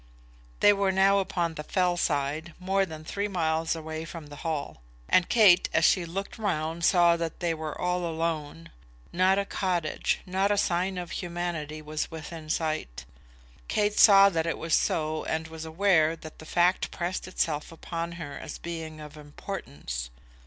They were now upon the fell side, more than three miles away from the Hall; and Kate, as she looked round, saw that they were all alone. Not a cottage, not a sign of humanity was within sight. Kate saw that it was so, and was aware that the fact pressed itself upon her as being of importance.